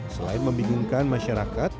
selain membingungkan masyarakat